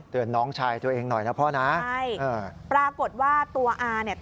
น้องชายตัวเองหน่อยนะพ่อนะใช่เออปรากฏว่าตัวอาเนี่ย